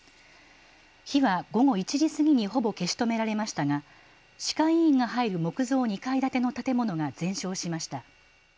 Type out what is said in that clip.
火は午後１時過ぎにほぼ消し止められましたが歯科医院が入る木造２階建ての建物が全焼しました。